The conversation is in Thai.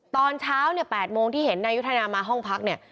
ตอนเช้าเนี่ย๘โมงที่เห็นนายุทธนามาห้องพักเนี่ย